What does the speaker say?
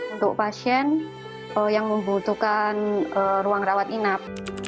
untuk pasien yang membutuhkan ruang rawat inap